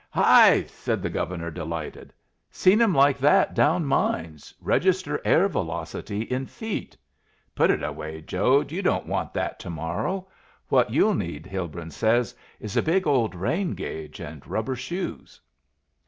"Hi!" said the Governor, delighted. "Seen 'em like that down mines. Register air velocity in feet. Put it away, Jode. You don't want that to morrow. What you'll need, Hilbrun says, is a big old rain gauge and rubber shoes."